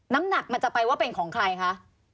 น้ำหนักมันจะไปว่าเป็นของใครคะ